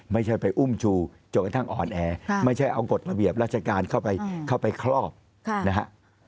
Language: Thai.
ไม่ใช่ไปอุ้มชูจนกระทั่งอ่อนแอไม่ใช่เอากฎระเบียบราชการเข้าไปครอบนะฮะ